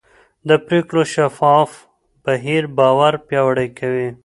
د پرېکړو شفاف بهیر باور پیاوړی کوي